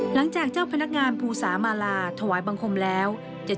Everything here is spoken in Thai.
หลังจากเจ้าพนักงานภูสามาลาถวายบังคมแล้ว